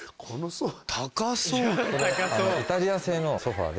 イタリア製のソファで。